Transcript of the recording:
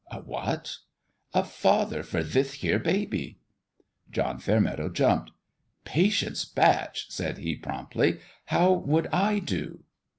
"hwkatf" " A father for thith here baby. 1 John Fairmeadow jumped. " Patience Batch," said he, promptly, " how would I do